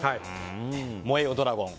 「燃えよドラゴン」